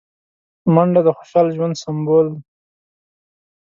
منډه د خوشحال ژوند سمبول دی